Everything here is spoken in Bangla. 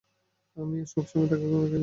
আমি সবসময়েই তোমাকে ঘৃণা করতাম।